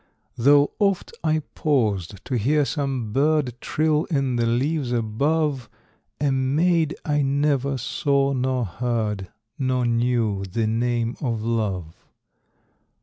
Though oft I paused to hear some bird Trill in the leaves above, A maid I never saw nor heard, Nor knew the name of love.